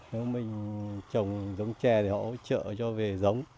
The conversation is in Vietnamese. nếu mình trồng giống trẻ thì họ trợ cho về giống